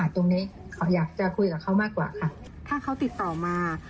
ถ้าเขาติดต่อมา